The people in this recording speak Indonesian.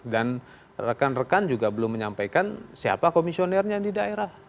dan rekan rekan juga belum menyampaikan siapa komisionernya di daerah